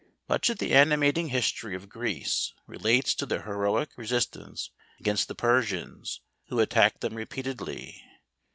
Much of the animating history of Greece re¬ lates to their heroic resistance against the Per¬ sians, who attacked them repeatedly.